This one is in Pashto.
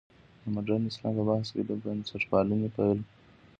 د مډرن اسلام په بحث کې د بنسټپالنې پل.